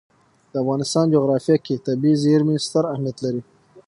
د افغانستان جغرافیه کې طبیعي زیرمې ستر اهمیت لري.